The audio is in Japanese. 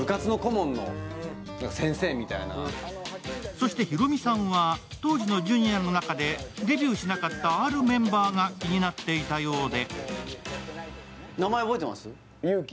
そして、ヒロミさんは当時のジュニアの中で、デビューしなかったあるメンバーが気になっていたようで。